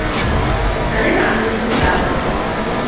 ¿Está negando eses datos?